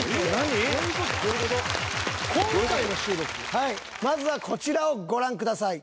はいまずはこちらをご覧ください。